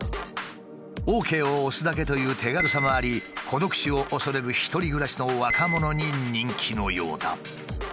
ＯＫを押すだけという手軽さもあり孤独死を恐れる一人暮らしの若者に人気のようだ。